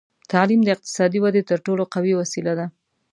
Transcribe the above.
تعلیم د اقتصادي ودې تر ټولو قوي وسیله ده.